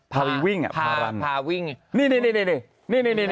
พารวิ่งนี่